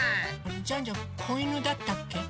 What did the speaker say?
ジャンジャンこいぬだったっけ？